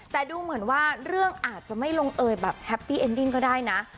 แต่ดูเหมือนว่าเรื่องอาจจะไม่ลงเอยแบบแฮปปี้เอ็นดิ้งก็ได้นะ